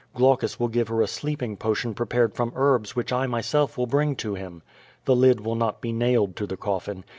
61aucu3 will give her a sleeping potion prepared from herbs which 1 myself will bring to him. The lid will not be nailed to the coffin.